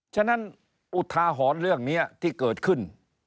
ฉะนั้นอุทาหรณ์เรื่องนี้ที่เกิดขึ้น